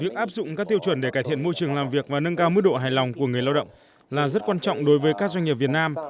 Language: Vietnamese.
việc áp dụng các tiêu chuẩn để cải thiện môi trường làm việc và nâng cao mức độ hài lòng của người lao động là rất quan trọng đối với các doanh nghiệp việt nam